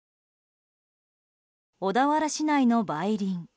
小田原市内の梅林。